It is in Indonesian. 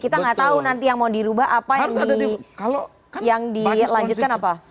kita nggak tahu nanti yang mau dirubah apa yang dilanjutkan apa